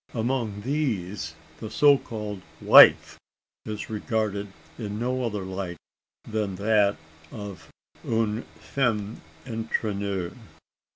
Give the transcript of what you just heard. Among these, the so called "wife" is regarded in no other light than that of une femme entretenue.